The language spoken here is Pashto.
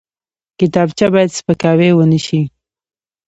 کتابچه باید سپکاوی ونه شي